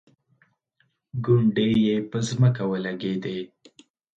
ګونډې یې په ځمکه ولګېدې.